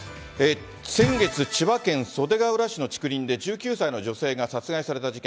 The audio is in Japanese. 先月、千葉県袖ケ浦市の竹林で１９歳の女性が殺害された事件。